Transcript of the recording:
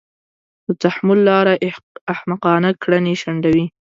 د تحمل لاره احمقانه کړنې شنډوي.